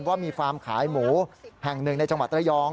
ว่ามีฟาร์มขายหมูแห่งหนึ่งในจังหวัดระยอง